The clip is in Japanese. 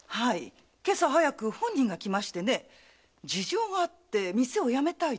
今朝早く本人が来ましてね事情があって店を辞めたいと。